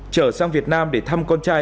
trở sang việt nam để thăm con trai